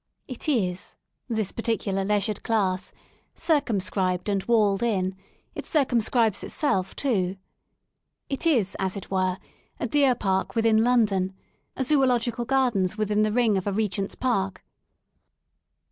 It is — this particular leisured class — circumscribed and walled in ; it circum scribes itself, too. It is, as it were, a deer park within London; a Zoological Gardens within the ring of a Regent's Park.